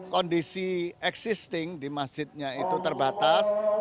kondisi existing di masjidnya itu terbatas